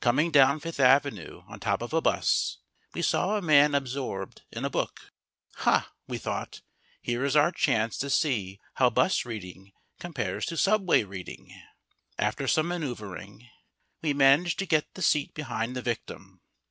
Coming down Fifth Avenue on top of a bus, we saw a man absorbed in a book. Ha, we thought, here is our chance to see how bus reading compares to subway reading! After some manoeuvering, we managed to get the seat behind the victim.